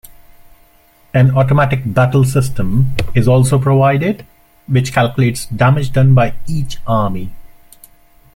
An automatic battle system is also provided, which calculates damage done by each army.